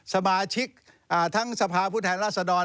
สมาชิกทั้งสภาพุทธแห่งราษฎร